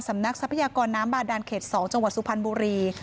ทรัพยากรน้ำบาดานเขต๒จังหวัดสุพรรณบุรี